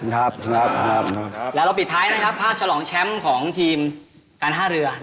ครับครับแล้วเราปิดท้ายนะครับภาพฉลองแชมป์ของทีมการท่าเรือ